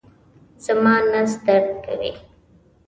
زما نس درد کوي